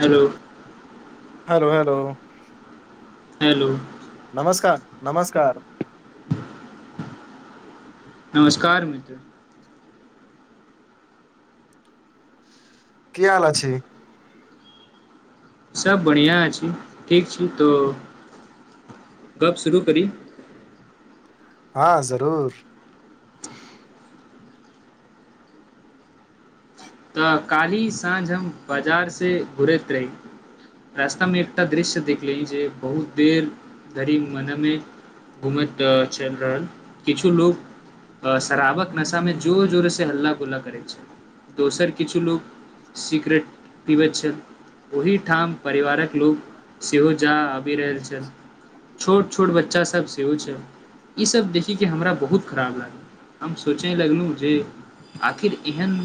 Hello hello hello hello नमस्कार नमस्कार नमस्कार मित्र की हाल अछि सब बढ़िया अछि ठीक छी तो गप शुरू करी हँ जरूर तऽ काल्हि साँझ हम बाजार से घुरैत रही रास्ता में एकटा दृश्य देखले जे बहुत देर धरी मन मे घूमैत चलि रहल किछु लोको शराबक नशा मे जोर जोर से हल्ला गुल्ला करै छै दोसर किछु लोक सिक्रेट पिबै छल ओहि ठाम परिवारक लोक सेहो जा आबि रहल छल छोट छोट बच्चा सभ सेहो छै ईसभ देखिक के हमरा बहुत खराब लागल हम सोचय लगलहुँ जे आखिर एहन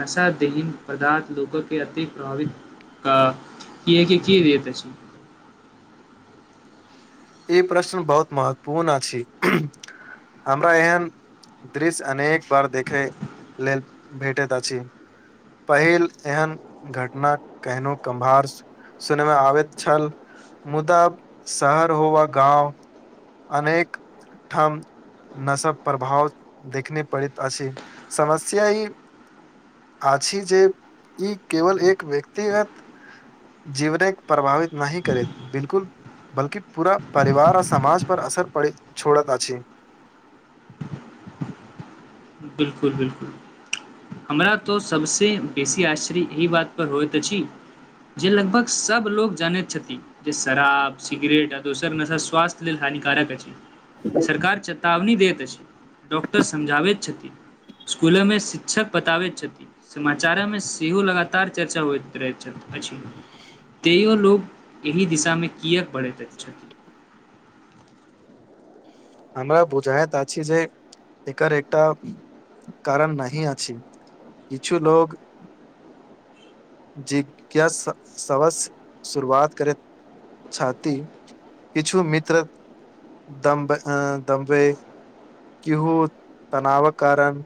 नशा देहीन पदार्थ लोको के अति प्रभावित अ की की की तस ई प्रश्न बहुत महत्वपूर्ण अछि हमरा एहन दृश्य अनेक बार देखै लेल भेटैत अछि पहिल एहन घटना केहनो कम्भारस सुनमे आबैत छल मुदा शहर हो वा गाँव अनेक ठाम नसब प्रभाव देखने पड़ैत अछि समस्या ह आछी जे ई केवल एक व्यक्तिगत जीवनक प्रभावित नहि करे बिल्कुल बल्कि पूरा परिवार आर समाज पर असर पड़ छोड़त अछि बिल्कुल बिल्कुल हमरा तऽ सभसँ बेसी आश्चर्य एहि बातपर होइत अछि जे लगभग सभ लोग जानैत छथिन जे सराब सिगरेट आ दोसर नसा स्वस्थ्य लेल हानिकारक अछि सरकार चेतावनी दैत अछि डॉकटर समझाबे छथि स्कुलोमे शिक्षक बताबैत छथि समाचारमे सेहो लगातार चर्चा होइत रहैत अछि तैयो लोग एहि दिशामे किए पढ़ैत छथिन हमरा बुझाइत अछि जे एकर एकटा कारण नहि अछि किछु लोग जी क सब शुरुआत करे छती किछु मित्र दम्ब ऐं दम्बै किहू तनावक कारण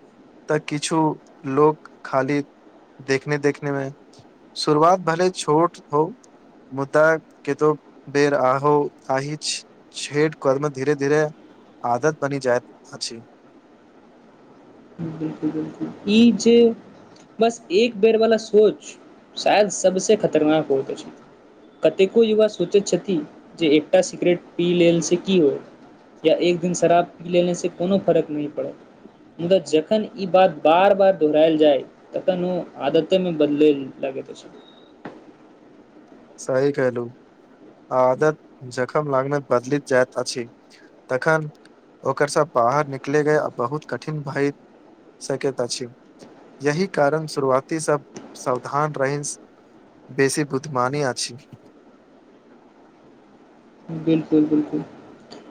तऽ किछु लोक खाली देखने देखने मे शुरुआत भले छोट होउ मुद्दा के तो बेर आ आहि छेठ कर्म धीरे धीरे आदत बनी जाइत अछि। बिलकुल बिलकुल ई जे बस एक बेर वला सोच शायद सबसे खतरनाक होइत अछि। कतेको युवा सोचैत छथि जे एकटा सिगरेट पी लेल से की होइ या एक दिन शराब पी लेने से कोनो फर्क नय पड़त मुदा जख जखन ई बात बार बार दोहरायल जाय तखन ओ आदते मे बदलय लागैत अछि। सही कहलु आ आदत जखम लागने बदलि जायत अछि। तखन ओकर सब बाहर निकले गय आ बहुत कठिन भई। सकैत अछि यही कारण शुरुआती सब सावधान रहि बेसी बुत मानी आछि। बिल्कुल बिल्कुल।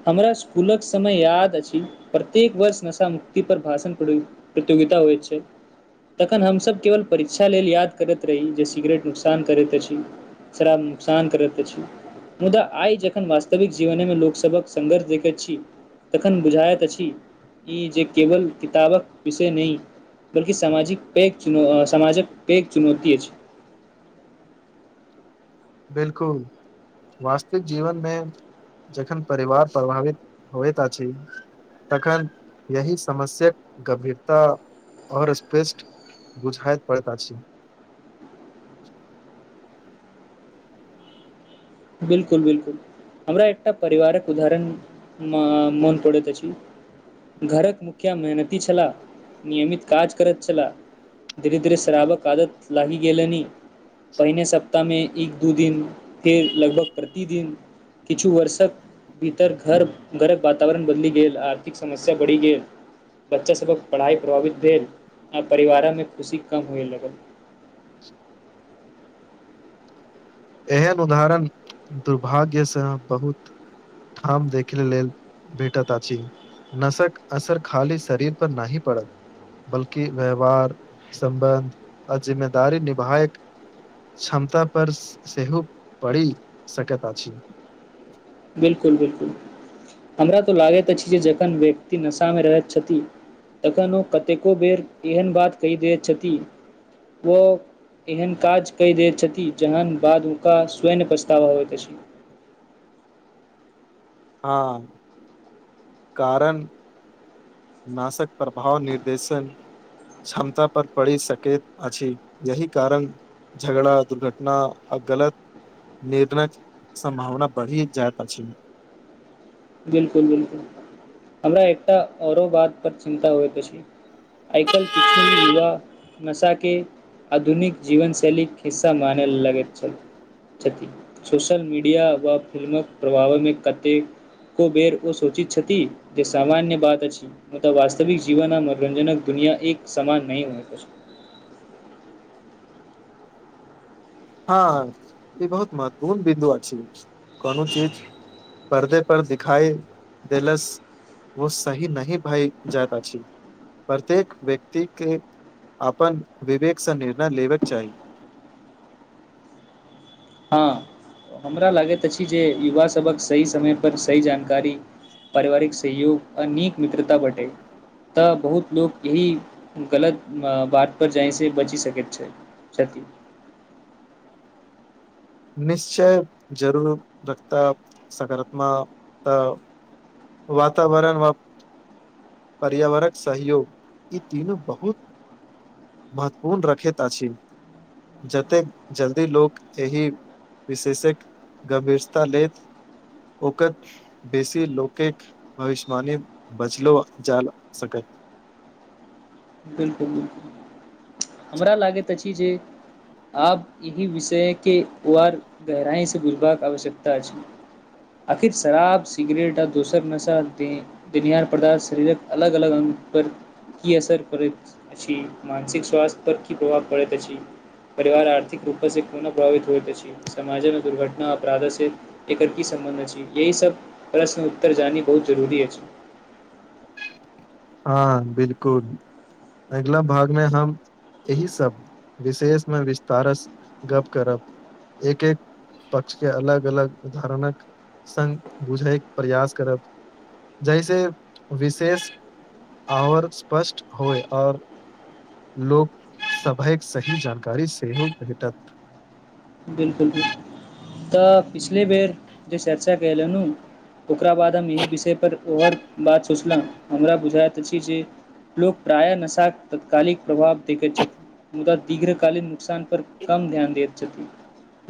हमरा स्कुलक समय याद अछि प्रत्येक वर्ष नशा मुक्ति पर भाषण पड़ै प्रतियोगिता होइत छै। तखन हमसभ केवल परीक्षा लेल याद करैत रही जे सिगरेट नुकसान करैत अछि। शराब नुकसान करैत अछि मुदा आइ ज जखन वास्तविक जीवनेमे लोकसभक सङ्घर्ष देखैत छी तखन बुझायत अछि की जे केवल किताबक विषय नहि बल्कि सामाजिक पैघ चुन समाजक पैघ चुनौती अछि। बिल्कुल। वास्तविक जीवनमे जखन परिवार प्रभावित होएत अछि तखन यही समस्याक गंभीरता आओर स्पृष्ट बुझाइत पड़ैत अछि। बिल्कुल बिल्कुल। हमरा एकटा परिवारक उदाहरण म मोन पड़ैत अछि घरक मुखिया मेहनती छलाह नियमित काज करैत छलाह धीरे धीरे शराबक आदत लागी गेलनी। पहिने सप्ताहमे एक दू दिन फेर लगभग प्रतिदिन किछु वर्षक भीतर घर घरक वातावरण बदलि गेल आर्थिक समस्या बढ़ि गेल बच्चा सभक पढ़ाइ प्रभावित भेल आ परिवारमे खुशी कम होइ लगल। एहन उदाहरण दुर्भाग्यसँ बहुत ठाम देखे लेल भेटत अछि। नशक असर खाली शरीर पर नाहि पड़त बल्कि व्यवहार संबन्ध आ जिम्मेदारी निभायक क्षमता पर सेहो पड़ि सकैत अछि। बिल्कुल बिल्कुल हमरा तऽ लागैत अछि जे जखन व्यक्ति नशामे रहैत छथि तखन ओ कतेको बेर एहन बात कहि दैत छथि ओ एहन काज कय दय छथि जहन बाद हुनका स्वयं पछतावा होबैत अछि। हँ। कारण नाशक प्रभाव निर्देशन क्षमता पर पड़ि सकैत अछि यही कारण झगड़ा दुर्घटना आ गलत निर्णय सम्भावना बढ़ि जायत अछि। बिल्कुल बिल्कुल हमरा एकटा औरो बात पर चिन्ता होइत अछि। आइ काल्हि किछु युवा नशाके आधुनिक जीवनशैलीक हिस्सा मानय लगैत छल। छथि सोशल मीडिया वा फिल्मक प्रभावमे कतेक एको बेर ओ सोचैत छथि जे सामान्य बात अछि। मुदा वास्तविक जीवन आ मनोरंजनक दुनियाँ एक समान नहि होयत अछि। हँ ई बहुत महत्वपूर्ण बिन्दु अछि कोनो चीज परर्दे पर दिखाइ देलस। वो सही नहि भई जायत अछि। प्रत्येक व्यक्ति के अपन विवेकसँ निर्णय लेबेक चाही हँ हमरा लागैत अछि जे युवा सभक सही समय पर सही जानकारी पारिवारिक सहयोग आ नीक मित्रता बढै तऽ बहुत लोक यही गलत बातपर जाइसँ बचि सकैत छै छथि [inaudible] निश्चय जरूर रखता सकारात्मक तऽ वातावरण वा पर्यावरक सहयोग ई तीनू बहुत महत्वपूर्ण रखैत अछि जतेक जल्दी लोक एहि विशेषक गंभीरता लैत ओकस बेसी लोक के भविष्यवणी बचलो जा सकत बिल्कुल न हमरा लागैत अछि जे आब एहि विषय के वार गहराई से बुझबाक आवश्यकता अछि। आखिर शराब सिगरेट आ दोसर नशा दे देनिहार पदार्थ शरीरक अलग अलग अङ्ग पर की असर करैत अछि मानसिक स्वास्थ्य पर की प्रभाव पड़ैत अछि। परिवार आर्थिक रूप से कोना प्रभावित होइत अछि समाजमे दुर्घटना अपराधसे एकर की सम्बन्ध अछि यही सब प्रश्न उत्तर जानी बहुत जरुरी अछि। हँ बिल्कुल अगिला भागमे हम एहि सब विशेष मे विस्तारस गप्प करब एक एक पक्ष के अलग अलग उदाहरणक संघ बुझैके प्रयास करब जहिसे विशेष आओर स्पष्ट होय आओर लोक सभैक सही जानकारी सेहो भेटत बिल्कुल बिल्कुल तऽ पिछले बेर जे चर्चा कइले नू ओकरा बाद हम एहि विषय पर ओर बात सोचल हमरा बुझाइत अछि जे लोक प्रायः नशाक तत्कालिक प्रभाव देखैत छथि मुदा दीर्घकालीन नुकसान पर कम ध्यान दैत छथि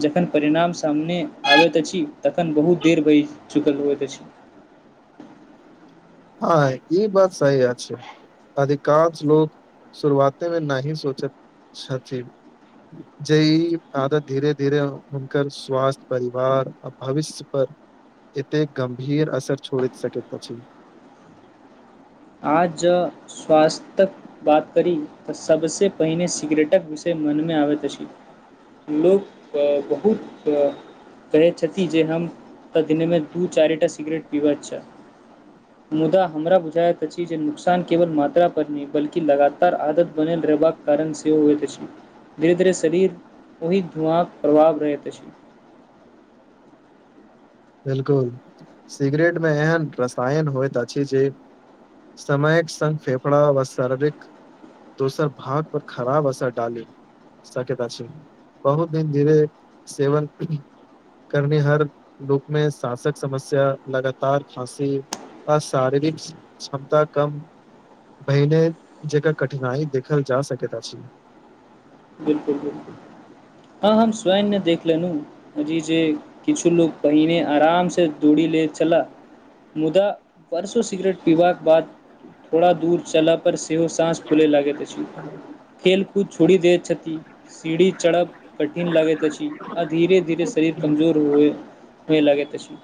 जखन परिणाम सामने आबैत अछि तखन बहुत देर भइ चुकल होइत अछि। हँ ई बात सही अछि अधिकांश लोक शुरुआते मे नाहि सोचैत छथि। जे ई आदत धीरे धीरे हुनकर स्वास्थ परिवार आ भविष्य। पर एत गंभीर असर छोड़ै सकैत अछी आज स्वास्थक बात करी तऽ सबसे पहिने सिगरेटक विषय मन मे आबै त अछी लोक क बहुत क कहैत छथि जे हम तऽ दिने मे दू चारि टा सिगरेट पीबैत छथि मुदा हमरो बुझायत अछि जे नुकसान केवल मात्रा पर नै बल्कि लगातार आदत बनल रहबाक कारण सेहो होइत अछि धीरे धीरे शरीर ओहि धुआँ प्रभाव रहैत अछि बिल्कुल सिगरेट मे एहन रसायन होइत अछि जे समयिक संघ फेफड़ा व शारीरिक दोसर भाग पर खराब असर डालै सकैत अछी बहुत दिन धीरे सेवन करनी हर बुक मे शासक समस्या लगातार खासी आ शारीरिक क्षमता कम भहिने जकर कठिनाई देखल जा सकै अछी बिल्कुल बिल्कुल हँ हम स्वयन्य देख लेनु बुजी जे किछु लोग पहिने आराम से दुड़ी लेय छला मुदा परसो सिगरेट पीबाक बाद थोड़ा दूर चला पर सेहो सांस फुलै लागैत अछी खेलकूद छोड़ी देत छथिन सीढ़ी चरब कठिन लागैत अछि आ धीरे धीरे शरीर कमजोर होयै लागैत अछि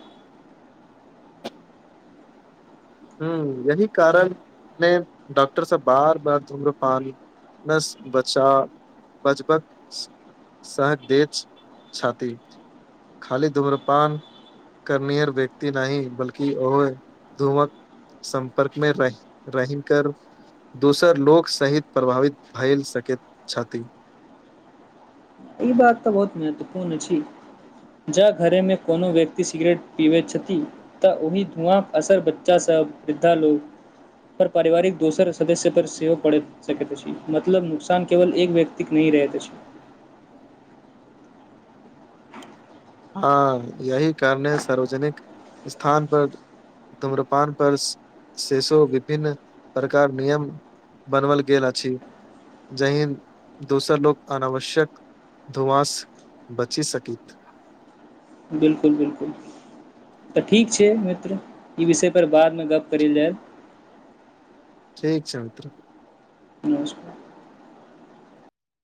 हूँ यही कारण ने डॉक्टरसँ बार बार धुम्रपान नस बचा बजबक सह देत छाती खाली धूम्रपान कर्नियर व्यक्त नाही बल्कि ओय धूमक सम्पर्क मे रह रहींकर दोसर लोक सहित प्रभावित भए सकैत छथि ई बात तऽ बहुत मेहत्वपूर्ण छै जाँ घरेमे कोनो व्यक्ति सिगरेट पीबैत छथि तऽ ओहि धुआँ असर बच्चा सब वृद्धा लु पर पारिवारिक दोसर सदस्य पर सेहो पड़ैत मतलब नुकसान केवल एक व्यक्तिक नही रहैत अछी हँ यही कारणे सार्वजनिक स्थान पर तुम्रपान पर शेषो विभिन्न प्रकार नियम बनवल गेल अछि जहि दोसर लोक अनावश्यक धुआंस बचि सकीत बिल्कुल बिल्कुल तऽ ठीक छै मित्र ई विषय पर बादमे गप करल जाय ठीक छै मित्र नमस्कार